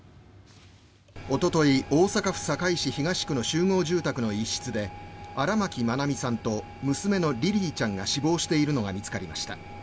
おととい、大阪府堺市東区の集合住宅の一室で荒牧愛美さんと娘のリリィちゃんが死亡しているのが見つかりました。